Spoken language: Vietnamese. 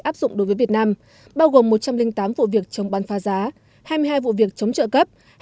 áp dụng đối với việt nam bao gồm một trăm linh tám vụ việc chống bán pha giá hai mươi hai vụ việc chống trợ cấp